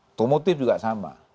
untuk motif juga sama